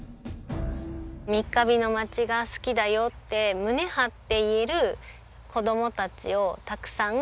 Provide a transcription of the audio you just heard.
「三ヶ日の町が好きだよ」って胸張って言える子供たちをたくさん育てるというか。